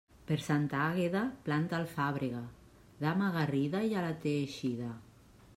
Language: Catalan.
Per Santa Àgueda, planta l'alfàbega; dama garrida, ja la té eixida.